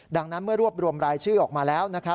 ดังนั้นเมื่อรวบรวมรายชื่อออกมาแล้ว